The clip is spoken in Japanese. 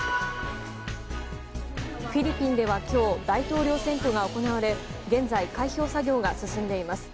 フィリピンでは今日大統領選挙が行われ現在、開票作業が進んでいます。